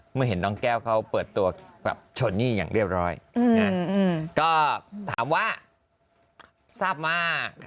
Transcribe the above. เมื่อเห็นน้องแก้วเขาเปิดตัวแบบโชนี่อย่างเรียบร้อยก็ถามว่าทราบมา